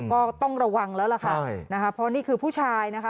ก็ต้องระวังแล้วล่ะค่ะนะคะเพราะนี่คือผู้ชายนะคะ